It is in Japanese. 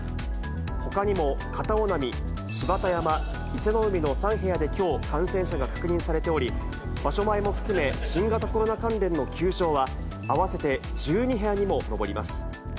ほかにも片男波、芝田山、伊勢ノ海の３部屋できょう、感染者が確認されており、場所前も含め、新型コロナ関連の休場は、合わせて１２部屋にも上ります。